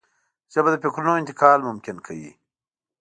ژبه د فکرونو انتقال ممکن کوي